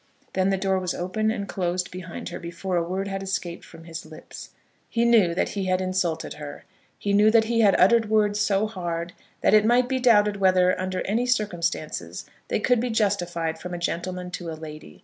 Then the door was opened and closed behind her before a word had escaped from his lips. He knew that he had insulted her. He knew that he had uttered words so hard, that it might be doubted whether, under any circumstances, they could be justified from a gentleman to a lady.